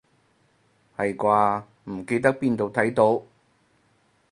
係啩，唔記得邊度睇到